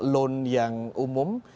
loan yang umum